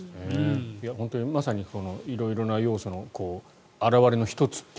本当にまさに色々な要素の表れの１つと。